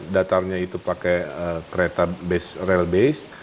datarnya itu pakai kereta base rail base